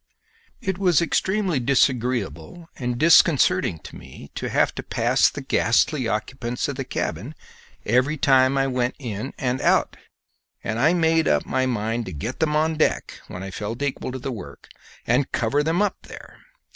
It was extremely disagreeable and disconcerting to me to have to pass the ghastly occupants of the cabin every time I went in and out; and I made up my mind to get them on deck when I felt equal to the work, and cover them up there.